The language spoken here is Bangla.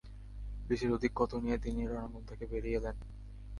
বিশের অধিক ক্ষত নিয়ে তিনি রণাঙ্গন থেকে বেরিয়ে এলেন।